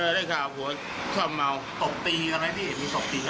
ได้ข่าวผัวชอบเมา